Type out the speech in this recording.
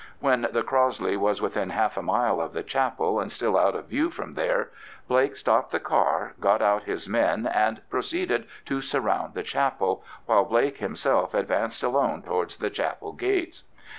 When the Crossley was within half a mile of the chapel and still out of view from there, Blake stopped the car, got out his men, and proceeded to surround the chapel, while Blake himself advanced alone towards the chapel gates.